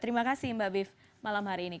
terima kasih mbak biv malam hari ini